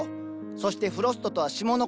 そしてフロストとは霜のこと。